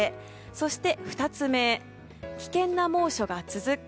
そして、２つ目危険な猛暑が続く。